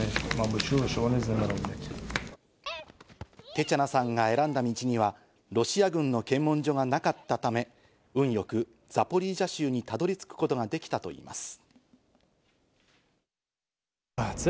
テチャナさんが選んだ道にはロシア軍の検問所がなかったため、運よくザポリージャ州にたどり着くことができたといいます。